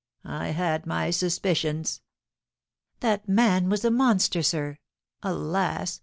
I had my suspicions." "That man was a monster, sir! Alas!